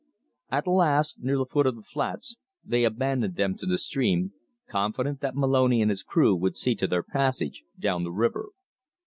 At last, near the foot of the flats, they abandoned them to the stream, confident that Moloney and his crew would see to their passage down the river.